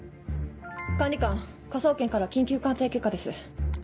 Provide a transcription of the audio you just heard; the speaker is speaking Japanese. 管理官科捜研から緊急鑑定結果です。